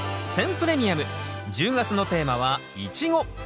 プレミアム１０月のテーマは「イチゴ」。